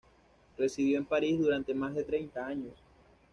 Residió en París durante más de treinta años.